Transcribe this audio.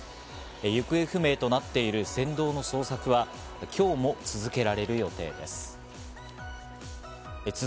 行方不明となっている船頭の捜索は今日も続けられる予定です。